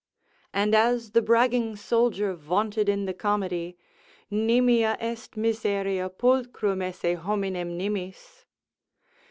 And as the bragging soldier vaunted in the comedy, nimia est miseria pulchrum esse hominem nimis.